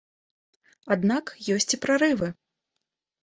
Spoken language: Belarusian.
Аднак ёсць і прарывы.